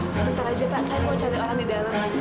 sebentar aja pak saya mau cari orang di dalam